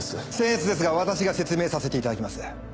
僭越ですが私が説明させていただきます。